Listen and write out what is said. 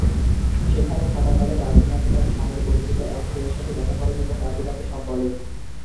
সেখানে থাকাকালে রাজু নামে তার স্বামীর পরিচিত এক ছেলের সাথে দেখা করেন এবং রাজু তাকে সব বলে।